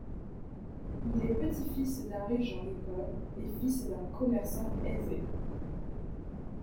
Il est petit-fils d'un régent d'école et fils d'un commerçant aisé.